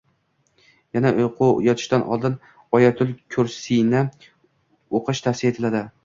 yana uyquga yotishdan oldin “Oyatul kursiy”ni o‘qish tavsiya etiladi.